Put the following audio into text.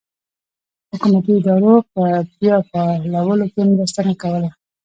حکومتي ادارو په بیا فعالولو کې مرسته نه کوله.